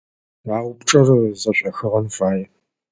А упчIэр зэшIохыгъэн фае.